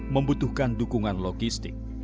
membutuhkan dukungan logistik